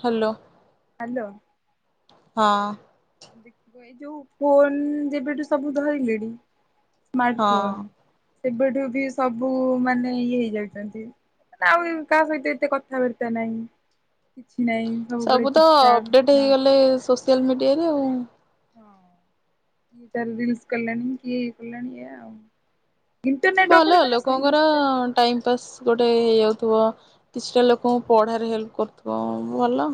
Hello. Hello. ହଁ। ଦେଖିବ ଏଇ ଯୋଉ ଫୋନ୍ ଯେବେଠୁ ସବୁ ଧଇଲେଣି ସ୍ମାର୍ଟ୍ ହଁ ଫୋନ୍ ସେବେଠୁ ବି ସବୁ ମାନେ ଇଏ ହେଇଯାଉଚନ୍ତି। ମାନେ ଆଉ କାହା ସହିତ ଏତେ କଥାବାର୍ତା ନାହିଁ କିଛି ନାହିଁ ସବୁ ବେଳେ ଚୁପ୍ ଚାପ୍ ଟ ହେଇଗଲେ ସୋସିଆଲ୍ ମିଡିଆରେ ଆଉ। ହଁ କିଏ ତାର ରିଲ୍ସ୍ କଲାଣି କିଏ ଇଏ କଲାଣି ଏୟା। ଭଲ ଲୋକଙ୍କର ଟାଇମ୍ ପାସ୍ ଗୋଟେ ହେଇଯାଉଥିବ କିଛିଟା ଲୋକଙ୍କୁ ପଢ଼ାରେ ହେଲ୍ପ କରୁଥିବ ଭଲ।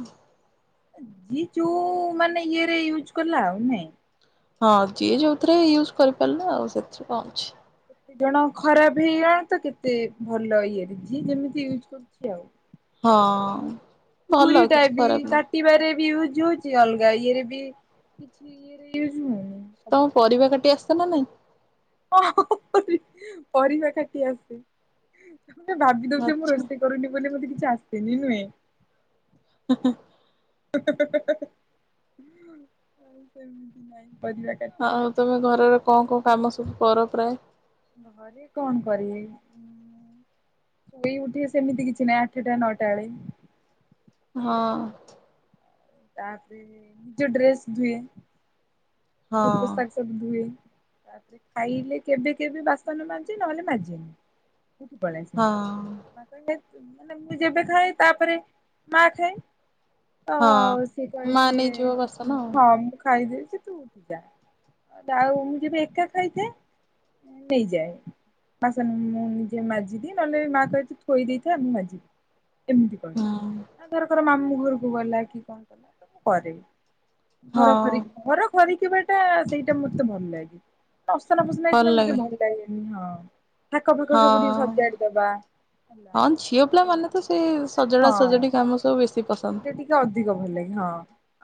ଯିଏ ଯୋଉ ମାନେ ଇଏ ରେ ୟୁଜ୍ କଲା ଆଉ ନାହିଁ ହଁ ଯିଏ ଯୋଉଥିରେ ୟୁଜ୍ କରିପାରିଲା ଆଉ ସେଥିରେ କଣ ଅଛି। ଦି ଜଣ ଖରାପ୍ ହେଇଯାଏ ତ କେତେ ଭଲ ଇଏରେ ଯିଏଯେମିତି ୟୁଜ୍ କରୁଚି ଆଉ। ହଁ। ଭଲ ଛୁରୀଟା କିଛି ବି ଖରାପ କା ନୁହଁ। ଟିବାରେ ୟୁଜ୍ ହଉଚି ଅଲଗା ଇଏ ରେ ବି କିଛି ଇଏ ୟୁଜ୍ ହଉନି ତମକୁ ପରିବା କାଟି ଆସେ ନା ନାହିଁ? ହ ହ ହ ପରିବାକାଟି ଆସେ। ତମେ ଭାବିଦଉଚ ମୁଁ ଆଚ୍ଛା ରୋଷେଇ କରୁନି ବୋଲି ମତେ କିଛି ଆସେନି ନୁହେଁ। [unintelligible] ଆଉ ସେମିତି ନାଇଁ ପରିବା କାଟି ଆଉ ଆସେ। ତମେ ଘରର କଣ କଣ କାମ ସବୁ କର ପ୍ରାଏ? ଘରେ କଣ କରିବି। ସୋଇକି ଉଠିବେ ସେମିତି କିଛି ନାହିଁ ଆଠଟା ନଅଟା ବେଳେ ହଁ। ତାପରେ ନିଜ ଡ୍ରେସ୍ ଧୁଏ ହଁ ଦୋ ପୋସାକ ସବୁ ଧୁଏ ତାପରେ ଖାଇଲେ କେବେ କେବେ ବାସନ ମାଜେ ନହେଲେ ମାଜେନି। ଉଠିକି ପଳିଆସିମି ହଁ [unintelligible] ମାନେ ମୁଁ ଯେବେ ଖାଏ ତାପରେ ମା ଖାଏ। ତ ହଁ ମା ନେଇଯିବ ବାସନ ଆଉ। ମୁ ଖାଇଦେଇଚି ତୁ ଉଠୁଯା ଆଉ ମୁଁ ଯେବେ ଏକା ଖାଇଥାଏ ନେଇଯାଏ। ବାସନ ମୁଁ ନିଜେ ମାଜିଦିଏ ନହେଲେ ମା କହେ ତୁ ଥୋଇଦେଇଥା ମୁଁ ମାଜିବି। ଏମିତି କଣ ହଁ ଆ ଧରକର ମାମୁଁ ଘରକୁ ଗଲା କି କଣ କଲା ତ ମୁଁ କରିମି। ହଁ ଘର ଖରି ଘର ଖରିକିବାଟା ସେଇଟା ମତେ ଭଲ ଲାଗେ। ଅସନା ଫସନା ଭଲ ହେଇଥିଲେ ମତେ ଟିକେ ଲାଗେ। ଭଲ ଲାଗେନି ହଁ ଥାକ ଫାକ ସବୁ ଟିକେ ହଁ ସଜାଡ଼ି ଦବା। ହେଲା ହଁ ଝିଅ ପିଲା ଆଉ ମାନେ ତ ସେ ସଜଡ଼ା ହଁ। ସଜଡ଼ି କାମ ସବୁ ବେଶି ପସନ୍ଦ। ସେଇଟା ଟିକେ ଅଧିକ ଭଲ ଲାଗେ ହଁ।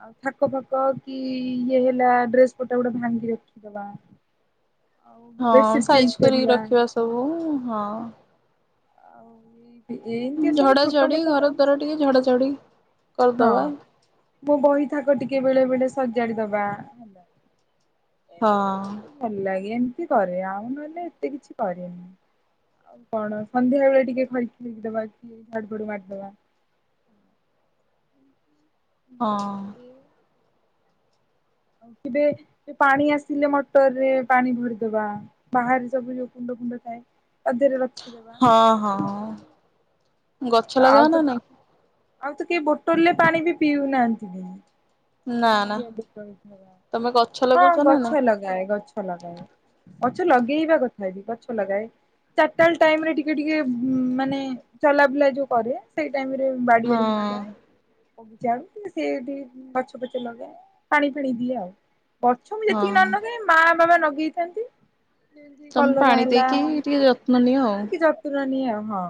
ଆଉ ଥାକ ଫାକ କି ଇଏ ହେଲା ଡ୍ରେସ୍ ପଟା ଗୋଡ଼ା ଭାଙ୍ଗି ରଖିଦବା ହଁ ବେଡ଼େସିଡ଼ି ସାଇଜ ଚେଞ୍ଜ କରିକି କରିବା ରଖିବା ସବୁ ହଁ। ହଁ। ଆଉ ଏମିତିଆ ସବୁ ଝଡା ଛୋଟ ଝଡି ମୋଟ ଘର ଦ୍ୱାର ଟିକେ ଝଡା ଝଡି କାମ ହଁ। କରିଦବା ମୋ ବହି ଥାକ ଟିକେ ବେଳେ ବେଳେ ସଜାଡ଼ି ଦବା ହେଲା ଏମିତି ହଁ। ଭଲ ଲାଗେ ଏମିତି କରେ ଆଉ ନହେଲେ ଏତେ କିଛି କରେନି ଆଉ କଣ ସନ୍ଧ୍ୟା ବେଳେ ଟିକେ ଖରିକି ଖୁରୀକି ଦବା କି ଝାଡୁ ଫାଡୁ ମାରିଦବା ହୁଁ ହୁଁ [inaudible] ହଁ। ଆଉ କେବେ ପାଣି ଆସିଲେ ମଟରରେ ପାଣି ଭରିଦବା ବାହାରେ ସବୁ ଯୋଉ କୁଣ୍ଡ ଫୁଣ୍ଡ ଥାଏ। ତା ଦେହରେ ରଖିଦେବା। ହଁ ହଁ। ଗଛ ଆଉ ଲଗାଅ ତ ନା ନାଇଁ? ଆଉ ତ କେହି ବୋଟଲରେ ପାଣି ବି ପିଉନାହାନ୍ତି। ନା ନା ତମେ ଗଛ [unintelligible] ହଁ ଲଗଉଛ ନା ନାଇଁ? ଗଛ ଲଗାଏ ଗଛ ଲଗାଏ। ଗଛ ଲଗେଇବା କଥା ବି ଗଛ ଲଗାଏ। ଚାରିଟା ବେଳେ ଟାଇମରେ ଟିକେ ଟିକେ ଉଁମ୍ ମାନେ ଚଲାବୁଲା ଯୋଉ କରେ ସେଇ ଟାଇମରେ ବାଡିଆଡକୁ ବି ହଁ ଯାଏ। ବଗିଚା ଆଡ଼କୁ ସିଏ ଟିକେ ଗଛ ପଛ ଲଗା ପାଣି ଫିଣି ଦିଏ ଆଉ। ଗଛ ମୁଁ ଯେତିକି ନ ହଁ ନଗାଏ ମା ବାବା ନଗେଇଥାନ୍ତି। ତମେ ପାଣି ଦେଇକି ଟିକେ ଯତ୍ନ ନିଅ ଆଉ। ଟିକେ ଯତ୍ନ ନିଏ ହଁ।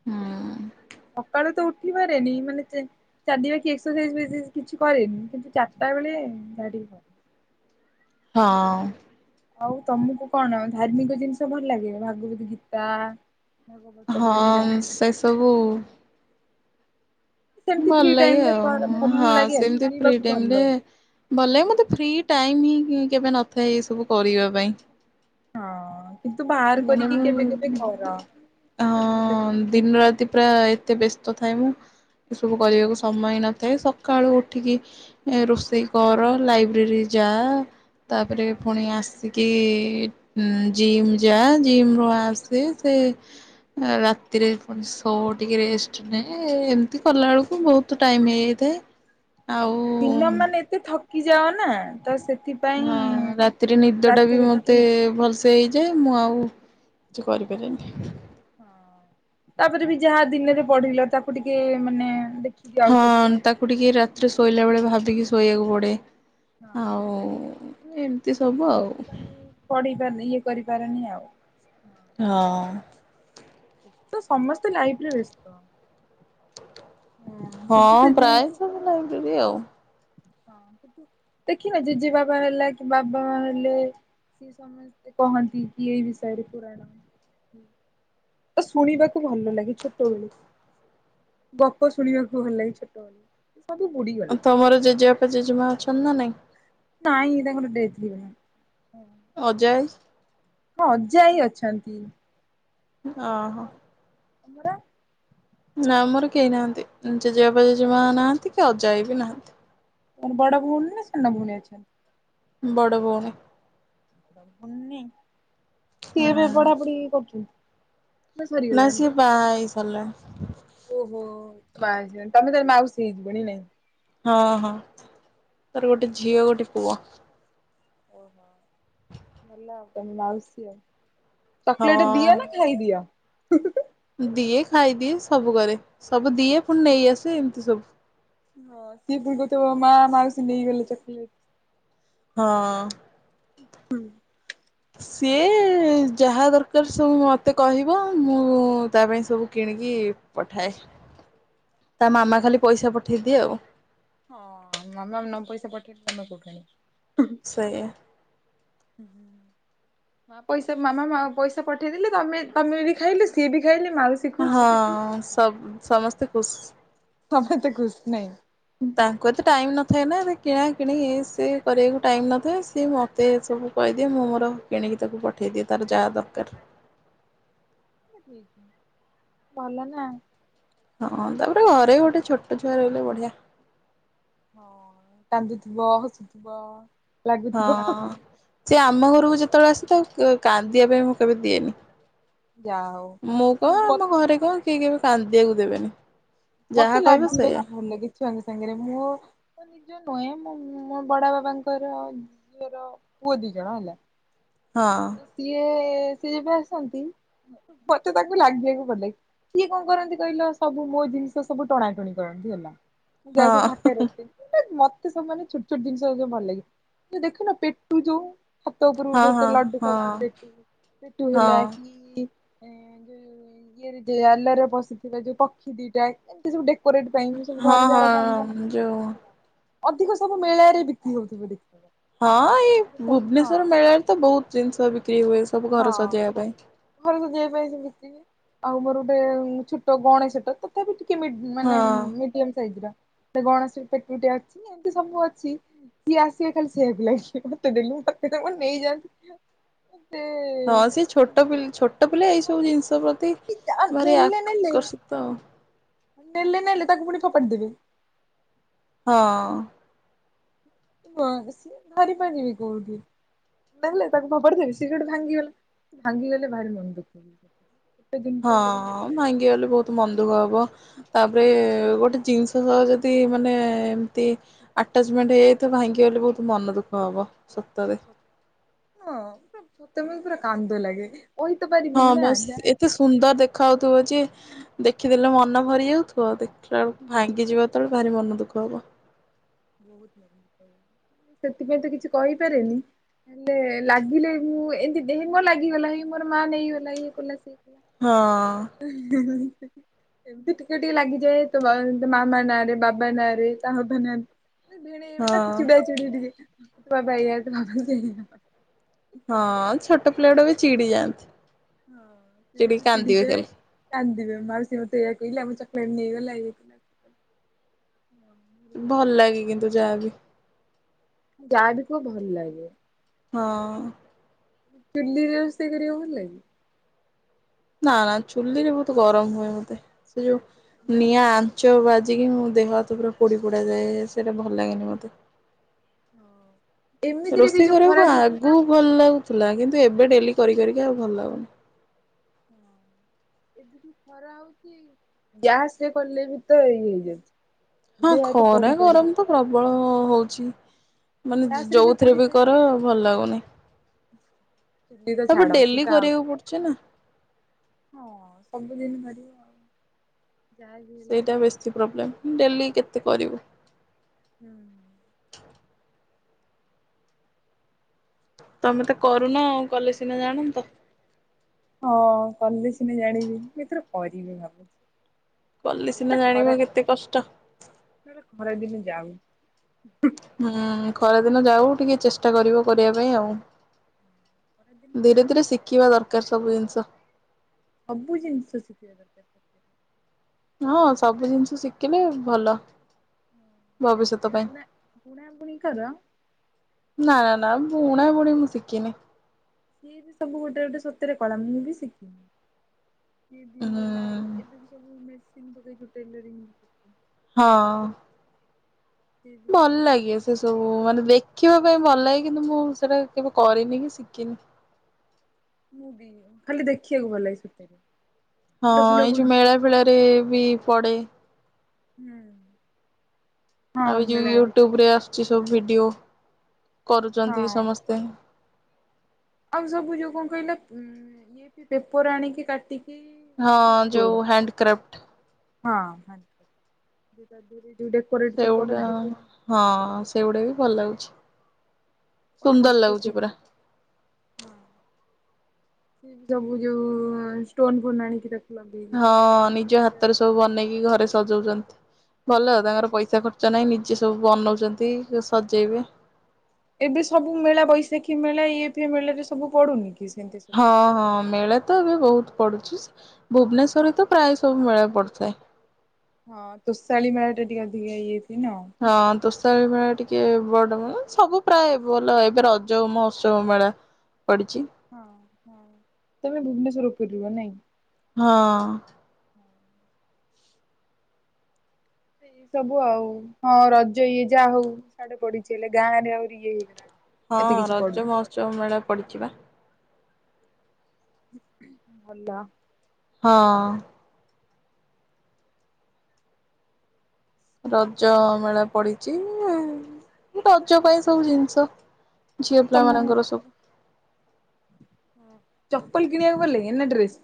ହୁଁ। ସକାଳୁ ତ ଉଠିପାରେନି ମାନେ ଚେ ଚାଲିବା କି ଏକ୍ସରସାଇଜ ଫେକ୍ସିଜ କିଛି କରେନି କିନ୍ତୁ ଚାରଟା ବେଳେ ଯାହା ଟିକେ କ ହଁ। ଆଉ ତମକୁ କଣ ଧାର୍ମିକ ଜିନିଷ ଭଲ ଲାଗେ ଭାଗବତ ଗୀତା? ଭାଗବତ ପଢିବା ହଁ ସେ ସବୁ ସେମିତି ଭଲ ଫ୍ରି ଟାଇମ ଲାଗେ ରେ କର ଆଉ ଭଲ ହଁ ଲାଗେ ସେମତି ଫ୍ରି ଶୁଣିବାକୁ ଭଲ ଟାଇମରେ ଲାଗେ। ଭଲ ମତେ ଫ୍ରି ଟାଇମ ହିଁ କେବେ ନଥାଏ ଏ ସବୁ କରିବା ପାଇଁ। ହଁ କିନ୍ତୁ ବାହାର ମାନେ କରିକି ମୁଁ କେବେ କେବେ କର ମାନେ ଭଲ ଯେ ହଁ ଦିନ ରାତି ପୁରା ଏତେ ବ୍ୟସ୍ତ ଥାଏ ମୁଁ ଏସବୁ ହୁଁ କରିବାକୁ ସ ସମୟ ନଥାଏ ସକାଳୁ ଉଠିକି ଏ ରୋଷେଇ କର ଲାଇବ୍ରେରୀ ଯା ତାପରେ ହଁ। ଫୁଣି ଆସିକି ଉଁ ଜିମ୍ ଯାଆ ଜିମରୁ ଆସେ ସେ ଏ ରାତିରେ ପୁଣି ଶୋ ଟିକେ ରେଷ୍ଟ ନେ ଏ ଏମତି କଲା ବେଳକୁ ବୋହୁତ ବୋହୁତ ଟାଇମ ହେଇଯାଇଥାଏ ଆଉ ଦିନ ମାନେ ଏତେ ଥକି ଯାଅ ନା ତ ସେ ହଁ ରାତିରେ ନିଦଟା ବି ଟିକେ ମତେ ଇଚ୍ଛା ଭଲସେ ହେଇଯାଏ ମୁଁ ଆଉ କିଛି କରିପାରେନି। ତାପରେ ବି ଯାହା ଦିନରେ ପଢିଲ ତାକୁ ଟିକେ ମାନେ ଦେଖିଦିଅ ଆଉ ହଁ ଥରେ ହଁ ତାକୁ ଟିକେ ରା ତିରେ ଶୋଇଲା ବେଳେ ଭାବିକି ଶୋଇବାକୁ ପଡ଼େ ଆଉ ଏମତି ସବୁ ଆଉ। ପଢିପାରନି ଇଏ କରିପାରନି ଆଉ। ହଁ। ତ ସମସ୍ତେ ଲାଇଫରେ ବେସ୍ତ। ହଁ କିନ୍ତୁ ସେ ଜିନି ପ୍ରାୟ ସବୁ ଲାଗିକି ଆଉ। ହଁ କିନ୍ତୁ ଦେଖିନ ଜେଜେବାବା ହେଲା କି ବାବା ମାଆ ହେଲେ ସିଏ ସମସ୍ତେ କହନ୍ତି କି ଏଇ ବିଷୟରେ ପୁରାଣ ତ ଶୁଣିବାକୁ ଭଲ ଲାଗେ ଛୋଟବେଳୁ। ଗପ ଶୁଣିବାକୁ ଭଲ ଲାଗେ ଛୋଟ ବେଳୁ। ସବୁ ବୁଡି ଆଉ ତମର ଜେଜେବାପା ଜେଜେମା ଅଛନ୍ତି ନା ନାଇଁ। ନାଇଁ ତାଙ୍କର ଡେଥ୍ ହେଇଗଲାଣି। ଅଜା ଆଈ? ହଁ ଅଜା ଆଈ ଅଛନ୍ତି। ଓହୋ। ତୁମର। ନା ଆମର କେହି ନାହାନ୍ତି, ଜେଜେବାପ ଜେଜମା ନାହାନ୍ତି କି ଅଜାଆଇ ବି ନାହାନ୍ତି। ମୁଁ କହିନି ବଡ଼ ଭଉଣି ନା ସାନ ଭଉଣି ଅଛନ୍ତି। ବଡ଼ ଭଉଣୀ। ହୋନି ସିଏ ଏବେ ହଁ ପଢାପଢି କରୁଚି। ଏ ନା ସରିଗଲାଣି। ସିଏ ବାହା ହେଇ ସାରିଲାଣି ଓହୋ ବାସ୍ ବାସ୍ ତମେ ତାର ମାଉସୀ ହେଇଯିବନି ନାଇଁ। ହଁ ହଁ ତାର ଗୋଟେ ଝିଅ ଗୋଟେ ପୁଅ। [inaudible] ଚକଲେଟ ଦିଅ ନା ହଁ ଖାଇଦିଅ। ଦିଏ ଖାଇଦିଏ ସବୁ କରେ, ସବୁ ଦିଏ ପୁଣି ନେଇ ଆସେ ଏମିତି ସବୁ। ହଁ ଦିଦି କହୁଥିବ ମା ମାଉସୀ ନେଇଗଲେ, ଚକଲେଟ୍। ହଁ। ହୁଁ। ସିଏ ଯାହା ଦର ସବୁ ମୋତେ କହିବ, ମୁଁ ତା ପାଇଁ ସବୁ କିଣିକି ପଠାଏ। ତା ମାମା ଖାଲି ପଇସା ପଠେଇଦିଏ ଆଉ ହଁ ମାମା ନଅ ପଇସା ପଠେଇଲେ ତମେ କୋଉଠୁ ଆଣିବ। ସେୟା। ମା ପଇସା ମାମା ପଇସା ପଠେଇଦେଲେ, ତମେ ତମେ ବି ଖାଇଲ ସିଏ ବି ଖାଇଲେ ମାଉସୀ ଖୁସ୍। ହଁ ସ ସମସ୍ତେ ଖୁସ। ଆମର ତ ଖୁସି ନାହିଁ। ତା ଏତେ ଟାଇମ୍ ନଥାଏ ନା କିଣା କିିଣି ଇଏ ସିଏ କରିବାକୁ ଟାଇମ୍ ନଥାଏ ସିଏ ମୋତେସବୁ କହିଦିଏ ମୁଁ ମୋର କିଣିକି ତାକୁ ପଠାଇଦିଏ, ତାର ଯାହା ଦରକାର। ଭଲ ନା। ହଁ ତାପରେ ଘରେ ଗୋଟେ ଛୋଟ ଛୁଆ ରହିଲେ ବଢିଆ। ହଁ କାନ୍ଦୁଥିବ ହସୁଥିବ। ହଁ ଲାଗୁଥିବ। ସେ ଆମ ଘରକୁ ଯେତେବେଳେ ଆସେ, ତାକୁ କାନ୍ଦିବା ପାଇଁ ମୁଁ କେବେ ଦିଏନି। ଯା ହଉ। ମୁଁ କଣ ମ ଆମ ଘରେ କଣ କେହି କେବେ କାନ୍ଦିବାକୁ ଦେବେନି। ଯାହା ମତେ କହିବ ସେଇଆ ଲାଗିବାକୁ ଭଲ ଲାଗେ ଛୁଆଙ୍କ ସାଙ୍ଗରେ ମୁଁ ନିଜ ନୁହେଁ ମୁଁ ମୋ ବଡ ବାବାଙ୍କର ଝିଅର ପୁଅ ଦି ଜଣ ହେଲା। ହଁ। ତ ସିଏ ସିଏ ଯେବେ ଆସନ୍ତି, ମତେ ତାକୁ ଲାଗିବାକୁ ପଡେ। କିଏ କଣ କରନ୍ତି କହିଲ, ସବୁ ମୋ ଜିନିଷ ସବୁ ଟଣାଟଣି କରନ୍ତି ହେଲା, ମୁଁ ହଁ ଯାହା ସବୁ ଥାକରେ ରଖିଥିବି। ମତେ ସେମାନେ ଛୋଟ ଛୋଟ ଜିନିଷ ଭଲ ଲାଗେ, ଦେଖୁନ ପେଟୁ ଯୋଉ ହାତୋ ପୁର ହଁ ଦେ ତ ହଁ ଲାଡୁ ହଁ ଖାଉଦୁ ପେଟୁ ପେଟୁ ହେଲା ହଁ। କି। ଯୋଉ ଇଏରେ ଆଲରେ ବସିଥିବା ଯୋଉ ପକ୍ଷୀ ଦିଟା ଏମିତି ସବୁ। ମୁଁ ସବୁ ହଁ ଘରେ ଯାହା ରଖିଥାଏ ହେ ହଁ ଯୋଉ ଅଧିକ ସବୁ ମେଳାରେ ବିକ୍ରି ହଉଥିବ ଦେଖିବ। ହଁ ହେଲା। ଏଇ ସବୁ ହଁ ଭୁବନେଶ୍ୱର ମେଳାରେ ତ ବହୁତ ଜିନିଷ ବିକ୍ରି ହୁଏ, ସବୁ ଘର ସଜେଇବା ପାଇଁ। ଘରେ ସଜେଇବା ପାଇଁ ସେମିତି ଆଉ ମୋର ଗୋଟେ ଛୋଟ ଗଣେଶ ଛୋଟ ତ ଟିକେ ମାନେ ହଁ ମିଡିୟମ ସାଇଜର। ଗଣେଶ ପେଟୁଟି ଅଛି ଏମିତି ସବୁ ଅଛି। ସିଏ ଆସିବେ ଖାଲି ସେ ହେଆକୁ ଲାଗିବ ମୋତେ ଦେଲୁ ମୋତେ ଦେ ମୁଁ ତ କଣ ନେଇଯାଆ ହଁ ସେ ଛୋଟ ପିଲା ଛୋଟ ପିଲା ଏଇ ହଁ ସବୁ ପରା ଜିନିଷ ପ୍ରତି କି ଯା- ଭାରି ନେଲେ ନେଲେ ଆକର୍ଷିତ। ନେଲେ ନେଲେ ପୁଣି ଫୋପାଡ଼ିଦେବେ। ହଁ। [inaudible] ନେଲେ ତାକୁ ଫୋପାଡି ଦେବି ସେ ସେଠୁ ଭାଙ୍ଗିଗଲା, ଭାଙ୍ଗିଗଲେ ଭାରି ମନ ଦୁଃଖ। ଗୋଟେ ହଁ ଜିନିଷଟେ ଭାଙ୍ଗି ଗଲେ ବହୁତ ମନ ଦୁକ ହବ। ତାପରେ ଗୋଟେ ଜିନିଷ ସହ ଯଦି ମାନେ ଏମତି ଆଟାଚମେଣ୍ଟ ହେଇଯାଇଥାଏ ଭାଙ୍ଗିଗଲେ ବହୁତ ମନ ଦୁଃଖ ହବ ସତରେ। ହଁ ମତେ ବି ପୁରା କାନ୍ଦ ଲାଗେ କହିତ ହଁ ପାରିବିନି ନା ବାସ୍ ଯା ଲେ ଏତେ ସୁନ୍ଦର ଦେଖାହଉଥିବ ଯେ ଦେଖିଦେଲେ ମନ ଭରି ଯାଉଥିବ ଦେଖିଲା ବେଳକୁ ଭାଙ୍ଗିଯିବ ଯେତେବେଳେ ଭାରି ମନ ଦୁଃଖ ହବ। ସେଥିପାଇଁ ତ କିଛି କହିପାରେନି। ହେଲେ ଲାଗିଲେ ମୁଁ ଏମିତି ଦେହେ ମୋ ଲାଗିଗଲା ଇଏ ମୋର ମା ନେଇଗଲା ଇଏ କଲା ସିଏ କଲା। ହଁ। [unintelligible] ଏମତି ଟିକେ ଟିକେ ଲାଗିଯାଏ। ତୋ ବା ମାମା ନାଁରେ ବାବା ନାଁ ରେ ତା ବାବା ନାହାନ୍ତି। ଭିଣେଇ ନା ହଁ ଚିଡ଼ାଏ ଚିଡ଼ିଏ ଟିକେ ବାବା ଏଇଆ [unintelligible] ହଁ ଛୋଟ ପିଲା ଡ଼ା ବି ଚିଡ଼ି ଯାଆନ୍ତି। ହଁ ସେ ଚିଡିକି ଜଦି କାନ୍ଦିବେ ଚିଡ଼ିଯାଏ। ଖାଲି କାନ୍ଦିବେ ମାଉସି ମତେ ୟାକହିଲା ଆମ ଚକଲେଟେ ନେଇଗଲା ଏ। ଭଲ ଲାଗେ କିନ୍ତୁ ଯାହାବି। ଯାଆବି କୁଅ ଭଲ ଲାଗେ। ହଁ। ଚୁଲିରେ ରୋଷଇ କରିିବାକୁ ଭଲ ଲାଗେ? ନା ବା ଚୁଲିରେ ବହୁତ ଗରମ ହୁଏ ମତେ ସେ ଯୋଉ ନିଆଁ ଆଞ୍ଚ ବାଜ ଜିକି ମୋ ଦେହ ହାତ ପୁରା ପୋଡ଼ି ପୁଡ଼ାଯାଏ ସେଇଟା ଭଲ ଲାଗେନି ମୋତେ। ହଁ। ରୋଷେଇ କରିବାକୁ ଆଗକୁ ଭଲ ଲାଗୁଥିଲା କିନ୍ତୁ ଏବେ ଡେଲି କରି କରିକା ଆଉ ଭଲ ଲାଗୁନି। ହଁ ଏବେ ଯୋଉ ଖ ରା ହଉଚି ଗ୍ୟାସ ରେ କଲେ ବି ତ ଏଇ ହେଇଯାଉଛି। ହଁ ଦେହ ହାତ ଖରା ପୋଡି ପାଡି ଗରମ ତ ପ୍ରବଳ ହଉଛି। ମାନେ ଗ୍ୟାସ ଯ ରେ ଯୋଉଥିରେ ପୋଡି ବି ପାଡି କର ଯାଏ ଭଲ ଲାଗୁନି। ଚୁଲି ତ ତାପରେ ଛାଡ ସେ ଡ଼େଲି ତ ଆଉ କରିବାକୁ ପଡ଼ୁଛି ନା। ହଁ ସବୁଦିନି କରିବ ଆଉ। ଯାହା ବି ହେଲେ ସେଇଟା ବେଶୀ ପ୍ରୋବ୍ଲେମେ ଡ଼େଲି କେତେ କରିବୁ? ହୁଁ। ତମେ ତ କରୁନ କଲେ ସିନା ଜାଣନ୍ତ। ହଁ କଲେ ସିନା ଜାଣିବି ଏଥର କରିବି ଭାବୁଛି। କଲେ ସିନା ନହେଲେ ଖରା ଜାଣିବ କେତେ କଷ୍ଟ। ନହେଲେ ଖରେ ଦିନେ ଯାଉ। ହୁଁ ଖରାଦିନ ଯାଉ ଟିକେ ଚେଷ୍ଟା କରିବ କରିବା ପାଇଁ ଆଉ। ଖରା ଦିନେ ଧୀରେ ଯାଉ ଧୀରେ ଶିଖିବା ଦରକାର ସବୁ ଜିନିଷ। ସବୁ ଜିନିଷ ଶିକିବା ଦରକାରେ। ହଁ ସବୁ ଜିନିଷ ଶିଖିଲେ ଭଲ। ଭବିଷ୍ୟତ ପାଇଁ। ବୁଣା ବୁଣା ବୁଣି କର? ନା ନା ବୁଣା ବୁଣୀ ମୁଁ ଶିକିନି। ସିଏ ବି ସବୁ ଗୋଟେ ଗୋଟେ ସତରେ କଳା ମୁଁ ବି ଶିଖିନି ସି ଏବି ହୁଁ। ଏବେ ବି ସବୁ ମେସିନୀ ଗୋଟେ ଯୋଉ ଟେଲରିଙ୍ଗ। ହଁ। ସିଏ ବି ସବୁ ଭଲ ମୁଁ ବି ଲାଗେ ସେସବୁ। ଓ ମାନେ ଦେଖିବା ପାଇଁ ଭଲ ଲାଗେ କିନ୍ତୁ ମୁଁ ସେଟା କେବେ କରିନି କି ଶିଖିନି। ମୁଁ ବି ଖାଲି ଦେଖିବାକୁ ଭଲ ଲାଗେ ସତରେ। ଫୁଲ ହଁ ଫୁଲ ଏଇ ଗୁ ଯୋଉ ମେଳା ଫେଳାରେ ବି ପଡ଼େ। ହୁଁ। ହଁ ଆଉ ଯୋଉ ମେଳାରେ ୟୁଟ୍ୟୁବ ରେ ଆସୁଛି ସବୁ ଭିଡିଓ କରୁଚନ୍ତି ହଁ ସମସ୍ତେ। ଆଉ ସବୁ ଯୋଉ କଣ କହିଲେ ଉଁ ଏ ଫି ପେପର ଆଣିକି କାଟିକି ହଁ [unintelligible] କିଷ୍ଟ ଯୋଉ ବଡ। ହ୍ୟାଣ୍ଡ କ୍ରାଫ୍ଟ ହଁ ଦୁଇଟା ଦୁରି ଦୁଇଟାକୁ ସେଗୁଡା ହଁ ସେଗୁଡା ବି ଭଲ ଲାଗୁଛି। କଣ ସୁନ୍ଦର ହସ୍ତ ଲାଗୁଛି ପୁରା। ଶିଳ୍ପ। ହଁ ସିପି ସବୁ ଯୋଉ ଷ୍ଟୋନ ଫୋନ ଆଣିକି ରଖି। [unintelligible] ହଁ ନିଜ ହାତରେ ସବୁ ବନେଇକି ଘରେ ସଜଉଛନ୍ତି। ଭଲ ତାଙ୍କର ପଇସା ଖର୍ଚ୍ଚ ନାହିଁ ନିଜେ ସବୁ ବନଉଛନ୍ତି ସଜେଇବେ। ଏବେ ସବୁ ମେଳା ବୈଶାଖୀ ମେଳା ଇଏଫିଏ ମେଳାରେ ସବୁ ପଡୁନି କି। ସେମିତି ସବୁ ହଁ ଜିନିଷ। ହଁ ମିଳା। ତ ଏବେ ବହୁତ ପଡୁଛି ଭୁବନେଶ୍ଵରରେ ତ ପ୍ରାୟ ସବୁ ମେଳା ପଡିୁଥାଏ। ହଁ ତୋଷାଳୀ ମେଳା ଟା ଟିକେ ଅଧିକା ହେଇଯାଇଥ ନ। ହଁ ତୋଷାଳୀ ମେଳା ଟିକେ ବଡ ମାନେ ସବୁ ପ୍ରାୟ ଭଲ ଏବେ ରଜ ମହୋତ୍ସବ ମେଳା। ପଡ଼ିଚି। ହଁ ହଁ ତମେ ଭୁବନେଶ୍ୱ ଫେରିଲ ନାଇଁ। ହଁ। ଏ ସବୁ ଆଉ ହଁ ରଜ ଇଏ ଯାହା ହଉ ସାଡେ ପଡିଛି ହେଲେ ଗାଁ ରେ ଆହୁରି ଇଏ ହେଇଗଲାଣି। ହଁ ଏତେ କିଛି ପଡୁନି ରଜ ମହୋତ୍ସବ ମେଳେ ପଡ଼ିଛି ବା। ହୁଁ ହୁଁ ଭଲ। ହଁ। ରଜ ମେଳା ପଡିଛି ରଜ ପାଇଁ ସବୁ ଜିନିଷ। ଝିଅ ତମ ପିଲାମାନଙ୍କ ର ସବୁ। ହଁ। ଚପଲ କିଣିବାକୁ ଗଲେ ଏନା ଡ୍ରେସ?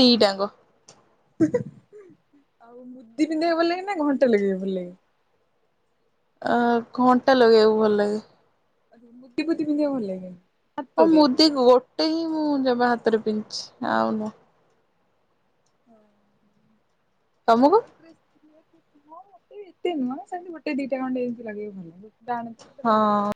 ଦିଇଟା ଆଙ୍କ। ଆଉ ମୁଦି ପିନ୍ଧେଇବାକୁ ଭଲ ଲାଗେ ନା ଘଣ୍ଟା ଲଗେଇବାକୁ ଭଲ ଲାଗେ? ଅ ଘଣ୍ଟା ଲଗେଇବାକୁ ଭଲ ଲାଗେ। ଆ ମୁଦି ଫୁଦି ପିନ୍ଦିବାକୁ ଭଲ ଲାଗେନି। ହଁ ହାତରେ। ମୁଦି ଗୋଟେ ହିଁ ମୁଁ ଯମା ହାତରେ ପିନ୍ଧିଛି ଆଉ ନୁହଁ। ହଁ ତମକୁ ଚପଲ ପ୍ରେସେ କିଣି ବାକୁ ହଁ ମୋ ମତେ ଏତେ ବି ନୁହଁ ସେମିତି ଗୋଟେ ଦିଇଟା ଖଣ୍ଡ ଏମିତି ଲେଇବାକୁ ଭଲ ଜେତ ଟାଆନ୍ତୁ। ହଁ।